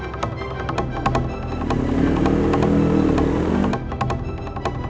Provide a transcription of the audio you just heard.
aku di jalan yang awet dengan enak saja